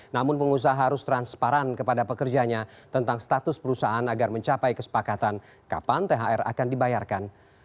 namun pengusaha harus transparan kepada pekerjanya tentang status perusahaan agar mencapai kesepakatan kapan thr akan dibayarkan